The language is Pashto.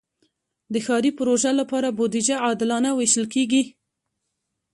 د ښاري پروژو لپاره بودیجه عادلانه ویشل کېږي.